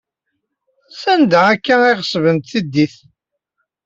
Sanda akka ay ɣeṣbent tiddit?